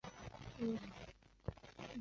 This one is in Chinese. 是寒士韩翃与李生之婢妾柳氏的故事。